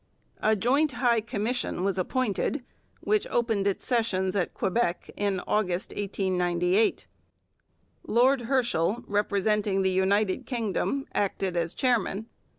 A Joint High Commission was appointed, which opened its sessions at Quebec in August 1898. Lord Herschell, representing the United Kingdom, acted as chairman.